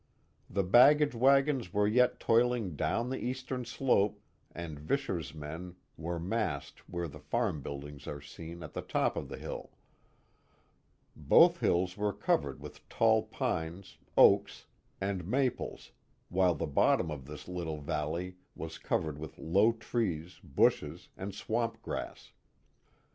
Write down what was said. The baggage wagons were yet toiling down the eastern slope and Visscher's men were massed where the farm buildings are seen at the top of the hill. Both hills were covered with tall pines, oaks, and maples while the bottom of this little valley was covered with low trees, bushes, and swamp grass.